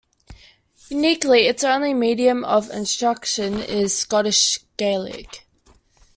Uniquely, its only medium of instruction is Scottish Gaelic.